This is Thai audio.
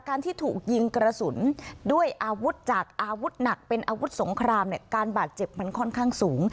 ที่ถูกยิงกระสุนด้วยอาวุธจากอาวุธหนักเป็นอาวุธสงครามเนี่ยการบาดเจ็บมันค่อนข้างสูง